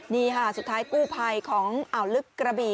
นี่ค่ะสุดท้ายกู้ภัยของอ่าวลึกกระบี่